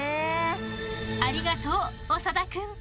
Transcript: ありがとう長田くん。